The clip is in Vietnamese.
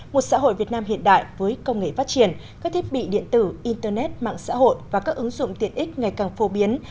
một xã hội việt nam hiện đại với công nghệ phát triển các thiết bị điện tử internet mạng xã hội và các ứng dụng tiện ích ngày càng phổ biến